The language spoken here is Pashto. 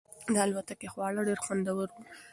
د الوتکې خواړه ډېر خوندور وو.